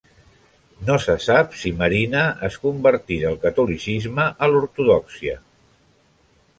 No se sap si Marina es convertí del catolicisme a l'ortodòxia.